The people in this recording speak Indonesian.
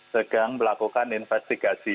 sedang melakukan investigasi